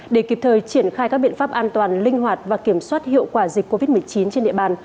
để kịp thời triển khai các biện pháp an toàn linh hoạt và kiểm soát hiệu quả dịch covid một mươi chín trên địa bàn